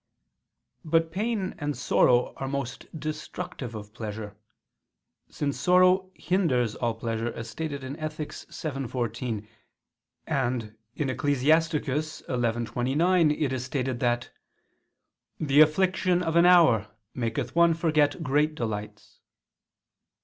But pain and sorrow are most destructive of pleasure; since sorrow hinders all pleasure, as stated in Ethic. vii, 14: and (Ecclus. 11:29) it is stated that "the affliction of an hour maketh one forget great delights."